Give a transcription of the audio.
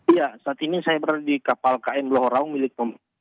iya saat ini saya berada di kapal kn blahoraung milik